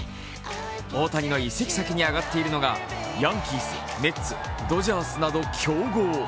大谷の移籍先に挙がっているのがヤンキース、メッツ、ドジャースなど強豪。